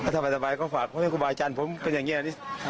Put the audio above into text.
โทษเผ็ดก็ฝาก๑๒ประจำผมเป็นอย่างเงี้ย